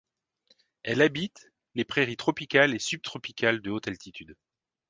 Elle habite les prairies tropicales et subtropicales de haute altitude.